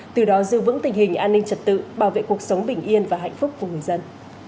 từ đó dư vững tình hình an ninh trật tự bảo vệ cuộc sống bình yên và hạnh phúc của người dân